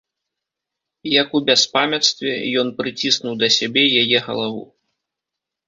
Як у бяспамяцтве, ён прыціснуў да сябе яе галаву.